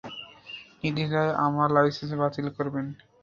নির্দ্বিধায় আমার লাইসেন্স বাতিল করবেন।